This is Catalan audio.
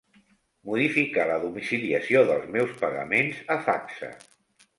Modificar la domiciliació dels meus pagaments a Facsa.